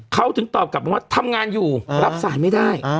เขาถึงตอบกลับมาว่าทำงานอยู่รับสายไม่ได้